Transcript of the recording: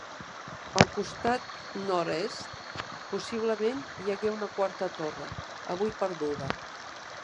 Al costat nord-est possiblement hi hagué una quarta torre, avui perduda.